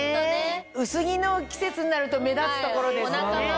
薄着の季節になると目立つ所ですよね。